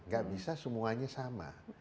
gak bisa semuanya sama